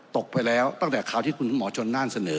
ตกไปแล้วตั้งแต่คราวที่คุณหมอชนน่านเสนอ